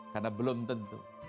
karena belum tentu